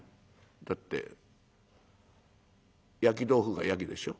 「だって焼き豆腐が焼きでしょ。